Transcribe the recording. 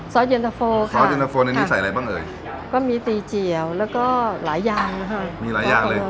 ซอสเย็นทะโฟค่ะซอสเย็นทะโฟในนี้ใส่อะไรบ้างเอ่ยก็มีตีเจียวแล้วก็หลายยางนะฮะ